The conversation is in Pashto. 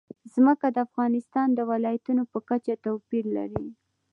ځمکه د افغانستان د ولایاتو په کچه توپیر لري.